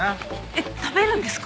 えっ食べるんですか？